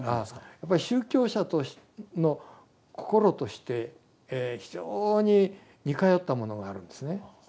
やっぱり宗教者のこころとして非常に似通ったものがあるんですね。